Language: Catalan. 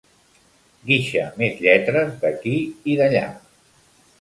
Guixa més lletres d'aquí i d'allà.